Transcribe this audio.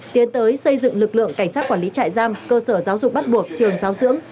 tiến tới xây dựng lực lượng cảnh sát quản lý trại giam cơ sở giáo dục bắt buộc trường giáo dưỡng